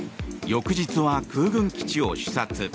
翌日は空軍基地を視察。